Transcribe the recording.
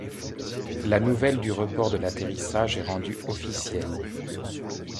La nouvelle du report de l'atterrissage est rendue officielle.